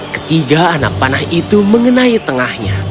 ketiga anak panah itu mengenai tengahnya